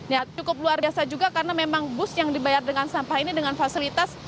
ya cukup luar biasa juga karena memang bus yang dibayar dengan sampah ini dengan fasilitas